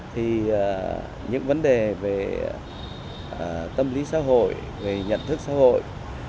thì những vấn đề về tâm lý xã hội về nhận thức xã hội